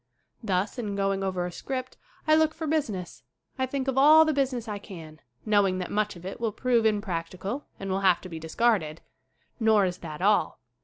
Thus in going over a script I look for busi ness. I think of all the business I can, knowing that much of it will prove impracticable and will have to be discarded. Nor is that all.